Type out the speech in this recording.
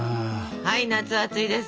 はい夏は暑いです。